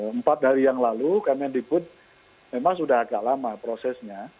empat hari yang lalu kemendikbud memang sudah agak lama prosesnya